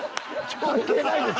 関係ないです。